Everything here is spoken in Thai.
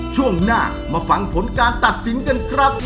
ช่วงหน้ามาฟังผลการตัดสินกันครับ